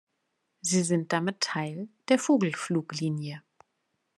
Sie sind damit Teil der Vogelfluglinie.